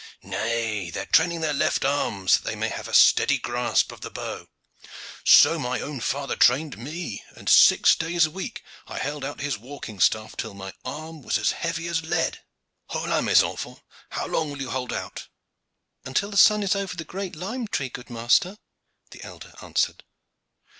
"Nay, they are training their left arms, that they may have a steady grasp of the bow. So my own father trained me, and six days a week I held out his walking staff till my arm was heavy as lead. Hola, mes enfants! how long will you hold out?" "Until the sun is over the great lime tree, good master," the elder answered.